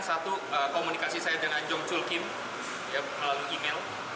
satu komunikasi saya dengan jong chul kim melalui email